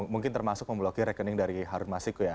mungkin termasuk memblokir rekening dari harun masiku ya